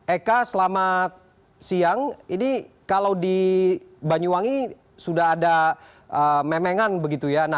eka selamat siang ini kalau di banyuwangi sudah ada memengan begitu ya